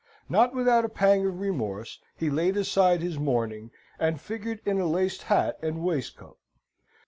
Not without a pang of remorse, he laid aside his mourning and figured in a laced hat and waistcoat.